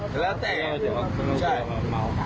แล้วแตกยังไงเดี๋ยวเขาเข้ามาเมา